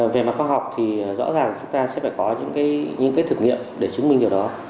về mặt khoa học thì rõ ràng chúng ta sẽ phải có những cái thực nghiệm để chứng minh điều đó